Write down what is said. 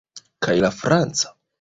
Kaj la franca?